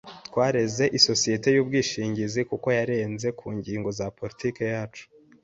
Twareze isosiyete yubwishingizi kuko yarenze ku ngingo za politiki yacu.